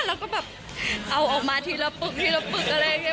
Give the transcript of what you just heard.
แล้วก็แบบเอาออกมาทีละปึกทีละปึกอะไรอย่างนี้